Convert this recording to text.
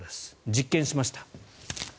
実験しました。